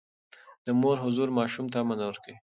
د مور حضور ماشوم ته امن ورکوي.